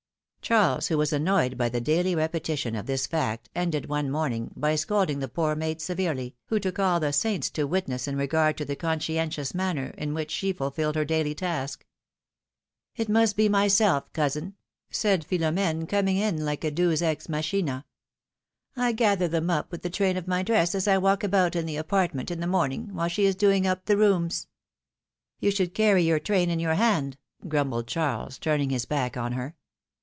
Charles, who was annoyed by the daily repetition of this fact, ended, one morning, by scolding the poor maid severely, who took all the saints to witness in regard to the conscientious manner in which she fulfilled her daily task. It must be myself, cousin,^' said Philom^ne, coming in like a Deus ex machind; I gather them up with the train of my dress as I walk about in the apartment in the morning, while she is doing up the rooms.^^ You should carry your train in your hand grumbled Charles, turning his back on her.